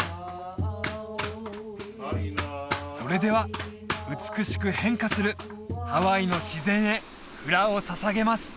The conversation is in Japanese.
それでは美しく変化するハワイの自然へフラを捧げます